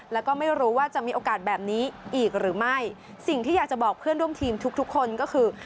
แล้วก็ไม่รู้ว่าจะมีโอกาสแบบนี้อีกหรือไม่สิ่งที่อยากจะบอกเพื่อนร่วมทีมทุกทุกคนก็คือ